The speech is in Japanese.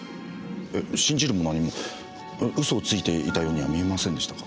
えっ信じるも何も嘘をついていたようには見えませんでしたが。